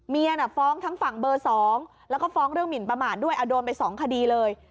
ฟ้องทั้งฝั่งเบอร์๒แล้วก็ฟ้องเรื่องหมินประมาทด้วยโดนไป๒คดีเลย